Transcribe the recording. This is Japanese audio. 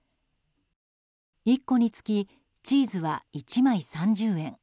１個につきチーズは１枚３０円